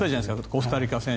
コスタリカ戦。